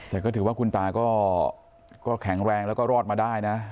แต่ก็ถือว่าคุณตาก็แข็งแรงแล้วก็รอดมาได้นะ